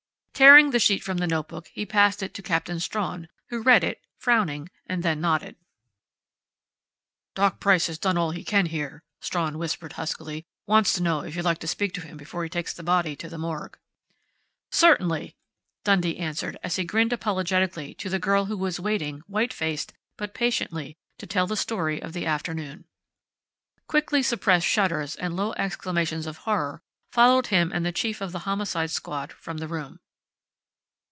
Tearing the sheet from the notebook, he passed it to Captain Strawn, who read it, frowning, and then nodded. "Doc Price has done all he can here," Strawn whispered huskily. "Wants to know if you'd like to speak to him before he takes the body to the morgue." "Certainly," Dundee answered as he grinned apologetically to the girl who was waiting, white faced but patiently, to tell the story of the afternoon. Quickly suppressed shudders and low exclamations of horror followed him and the chief of the Homicide Squad from the room.